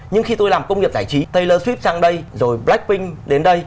nhưng khi tôi làm công nghiệp giải trí taylor swift sang đây rồi blackpink đến đây